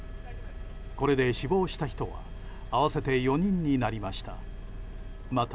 これで死亡した人は合わせて４人になりました。